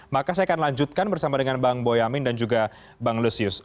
maka saya akan lanjutkan bersama dengan bang boyamin dan juga bang lusius